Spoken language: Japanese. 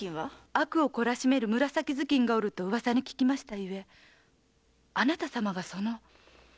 悪を懲らしめる紫頭巾がおると噂に聞きあなた様がその？